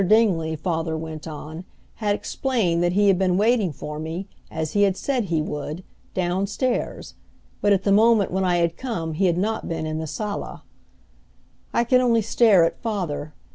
Dingley, father went on, had explained that he had been waiting for me, as he had said he would, down stairs; but at the moment when I had come he had not been in the sala. I could only stare at father.